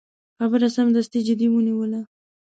خبره سمدستي جدي ونیوله.